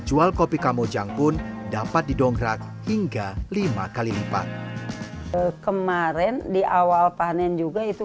jual kopi kamojang pun dapat didongkrak hingga lima kali lipat kemarin di awal panen juga itu